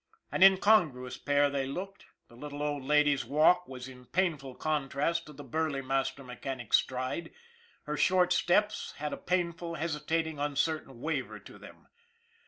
An incongruous pair they looked. The little old lady's walk was in painful contrast to the burly master mechanic's stride her short steps had a painful, hesi tating, uncertain waver to them.